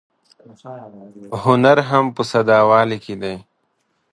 هنر هم په ساده والي کې دی.